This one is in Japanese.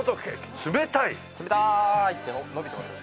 「冷たい！」って伸びてますよ